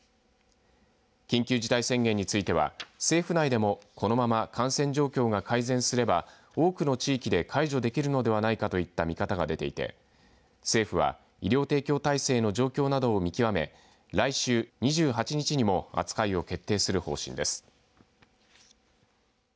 緊急事態宣言については政府内でも、このまま感染状況が改善すれば多くの地域で解除できるのではないかといった見方が出ていて政府は医療提供体制の状況などを見極め来週２８日にも扱いを決定する方針です。